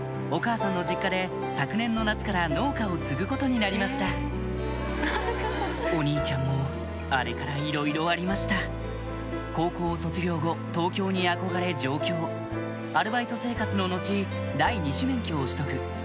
お母さんの実家で昨年の夏から農家を継ぐことになりましたお兄ちゃんもあれからいろいろありました高校を卒業後東京に憧れ上京アルバイト生活の後第二種免許を取得